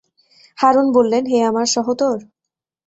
হারূন বললেন, হে আমার সহোদর!